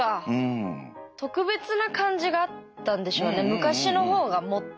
昔の方がもっと。